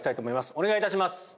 お願いいたします。